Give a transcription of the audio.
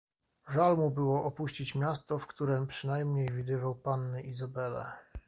"Żal mu było opuścić miasto, w którem przynajmniej widywał pannę Izabelę."